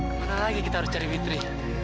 mana lagi kita harus cari witri